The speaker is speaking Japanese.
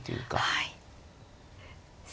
はい。